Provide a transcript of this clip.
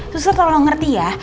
suster tolong ngerti ya